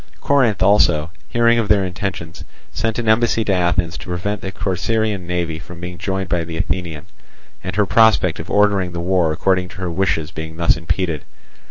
Corinth also, hearing of their intentions, sent an embassy to Athens to prevent the Corcyraean navy being joined by the Athenian, and her prospect of ordering the war according to her wishes being thus impeded.